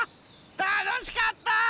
たのしかった！